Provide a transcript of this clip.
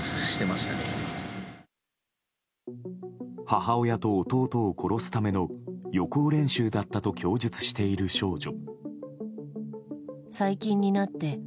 母親と弟を殺すための予行練習だったと供述している少女。